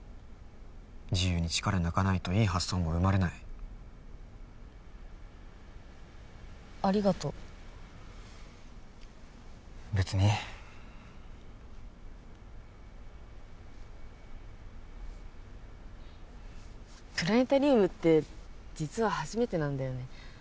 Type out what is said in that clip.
自由に力抜かないといい発想も生まれないありがと別にプラネタリウムって実は初めてなんだよね